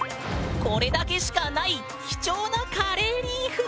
これだけしかない貴重なカレーリーフ。